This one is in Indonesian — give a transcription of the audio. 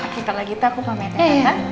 kita lagi takut mau main teh